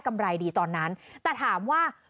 ไรดีตอนนั้นแต่ถามว่า